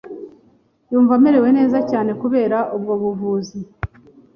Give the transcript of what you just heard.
Yumva amerewe neza cyane kubera ubwo buvuzi.